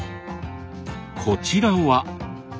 こちらは。